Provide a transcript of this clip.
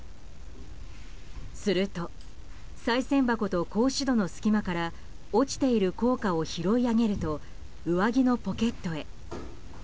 するとさい銭箱と格子戸の隙間から落ちている硬貨を拾い上げると上着のポケットへ。